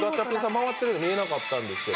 回ってるように見えなかったんですけど。